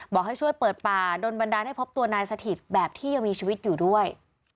บอกให้ช่วยเปิดป่าโดนบันดาลให้พบตัวนายสถิตแบบที่ยังมีชีวิตอยู่ด้วย